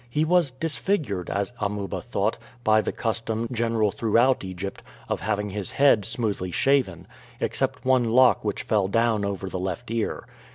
He was disfigured, as Amuba thought, by the custom, general throughout Egypt, of having his head smoothly shaven, except one lock which fell down over the left ear.